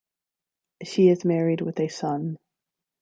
She is married with a son.